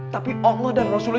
tapi allah dan rasulullah